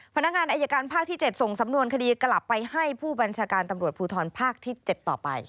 พนักงานอายการภาคที่๗ส่งสำนวนคดีกลับไปให้ผู้บัญชาการตำรวจภูทรภาคที่๗ต่อไป